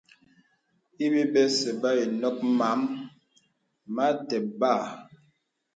Ibi bəsə̀ bə ǐ nɔk màm mətè bə̀.